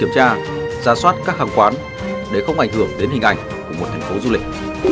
kiểm tra giả soát các hàng quán để không ảnh hưởng đến hình ảnh của một thành phố du lịch